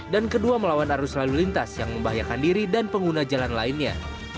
kedua melawan arus lalu lintas yang membahayakan diri dan pengguna jalan lainnya